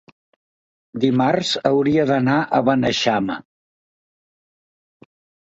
Dimarts hauria d'anar a Beneixama.